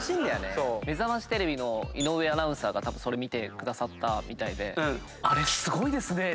『めざましテレビ』の井上アナウンサー見てくださったみたいで。